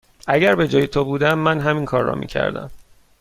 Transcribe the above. اگر به جای تو بودم، من همین کار را می کردم.